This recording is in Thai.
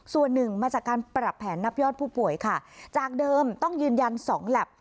ส่วนหนึ่งมาจากการปรับแผนนับยอดผู้ป่วยค่ะจากเดิมต้องยืนยันสองแล็บ